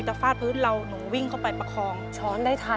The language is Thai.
เปลี่ยนเพลงเพลงเก่งของคุณและข้ามผิดได้๑คำ